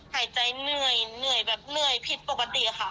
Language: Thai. หายใจเหนื่อยเหนื่อยแบบเหนื่อยผิดปกติค่ะ